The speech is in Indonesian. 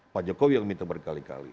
pak jokowi yang minta berkali kali